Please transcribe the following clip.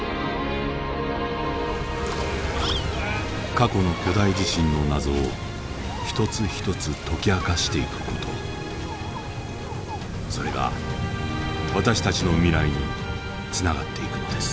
過去の巨大地震の謎を一つ一つ解き明かしていく事それが私たちの未来につながっていくのです。